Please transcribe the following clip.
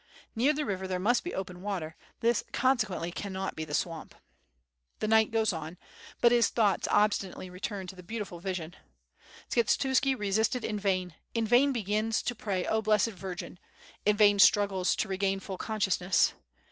Near the river there must be open water, this consequently cannot be the swamp. The knight goes on, but his thoughts obstinately return to the beautiful vision. Skshetuski resisted in vain, in vain begins to pray "0 Blessed Virgin," in vain struggles to re gain full consciousness.